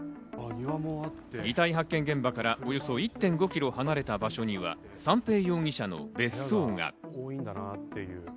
遺体発見現場からおよそ１．５キロ離れた場所には、三瓶容疑者の別荘が。